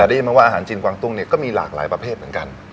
ได้ยินมาว่าอาหารจีนกวางตุ้งเนี่ยก็มีหลากหลายประเภทเหมือนกัน